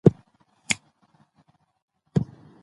په کويټه بلوچستان کې جوړه شوى غونډه وه .